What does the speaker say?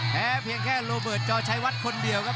เพียงแค่โรเบิร์ตจอชัยวัดคนเดียวครับ